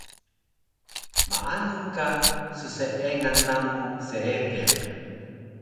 Maanu ka sseengan namu seediq